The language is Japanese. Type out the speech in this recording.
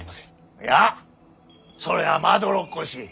いやぁそれはまどろっこしい。